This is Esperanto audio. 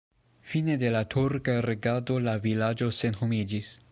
Fine de la turka regado la vilaĝo senhomiĝis.